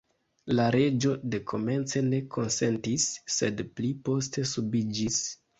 La reĝo dekomence ne konsentis, sed pli poste subiĝis.